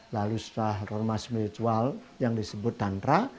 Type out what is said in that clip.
lalu setelah norma spiritual yang disebut tantra